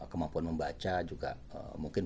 kemampuan membaca juga mungkin